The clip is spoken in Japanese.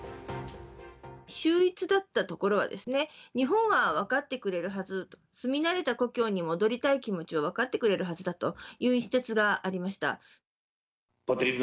秀逸だったところは、日本は分かってくれるはず、住み慣れた故郷に戻りたい気持ちを分かってくれるはずだという一節がありました。